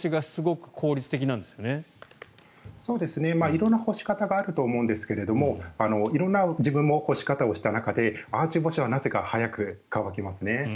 色んな干し方があると思うんですが自分も色んな干し方をした中でアーチ干しはなぜか早く乾きますね。